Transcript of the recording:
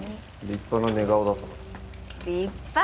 立派な寝顔だった。